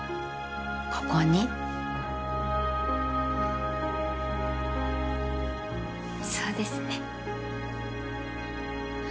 ここにそうですね